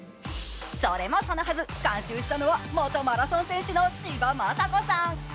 それもそのはず、監修したのは元マラソン選手の千葉真子さん。